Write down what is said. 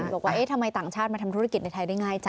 บอกว่าทำไมต่างชาติมาทำธุรกิจในไทยได้ง่ายจ้